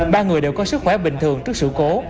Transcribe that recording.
ba người đều có sức khỏe bình thường trước sự cố